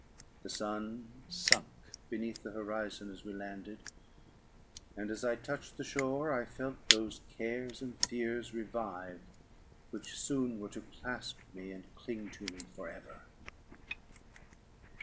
The sun sunk beneath the horizon as we landed; and as I touched the shore, I felt those cares and fears revive, which soon were to clasp me, and cling to me for ever.